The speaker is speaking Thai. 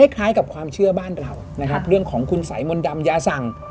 คล้ายกับความเชื่อบ้านเรานะครับเรื่องของคุณสัยมนต์ดำยาสั่ง